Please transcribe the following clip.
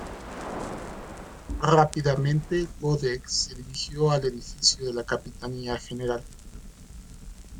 Rápidamente, Goded se dirigió al edificio de la Capitanía general.